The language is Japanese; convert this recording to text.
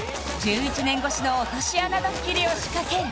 １１年越しの落とし穴ドッキリを仕掛ける